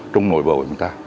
trong nội bộ của chúng ta